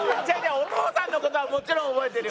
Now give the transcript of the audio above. お父さんの事はもちろん覚えてるよ。